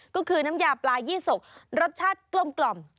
ก็คือน้ำยาปลายี่สกรสชาติกลม